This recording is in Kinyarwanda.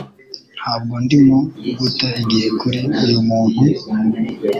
Ntabwo ndimo guta igihe kuri uyu muntu?